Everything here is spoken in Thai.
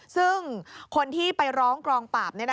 ซึ่งคนที่ไปร้องกองปราบ